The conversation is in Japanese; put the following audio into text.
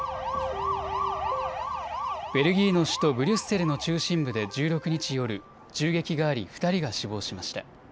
ベルギーの首都ブリュッセルの中心部で１６日夜、銃撃があり２人が死亡しました。